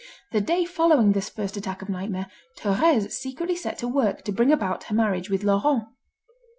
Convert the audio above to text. The day following this first attack of nightmare, Thérèse secretly set to work to bring about her marriage with Laurent.